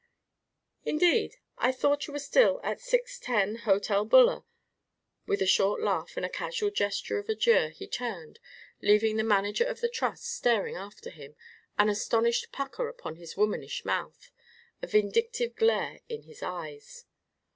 "Indeed! I thought you were still at 610, Hotel Buller." With a short laugh and a casual gesture of adieu he turned, leaving the manager of the Trust staring after him, an astonished pucker upon his womanish mouth, a vindictive glare in his eyes.